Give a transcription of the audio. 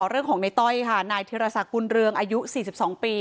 เรื่องของในต้อยค่ะนายธิรษักบุญเรืองอายุ๔๒ปี